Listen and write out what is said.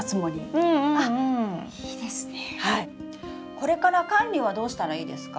これから管理はどうしたらいいですか？